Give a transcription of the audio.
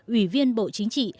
ủy viên bộ chính trị